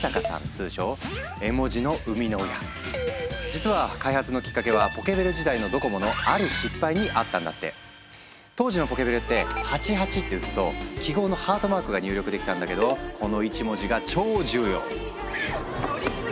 通称実は開発のきっかけはポケベル時代のドコモの当時のポケベルって「８８」って打つと記号のハートマークが入力できたんだけどこの１文字が超重要。